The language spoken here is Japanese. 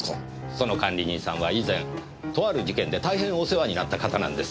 その管理人さんは以前とある事件で大変お世話になった方なんです。